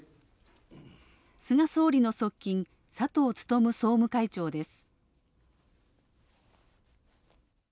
菅総理の側近佐藤勉総務会長です。